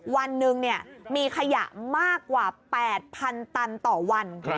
วันหนึ่งมีขยะมากกว่า๘๐๐๐ตันต่อวัน